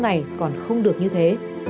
ngày còn không được như thế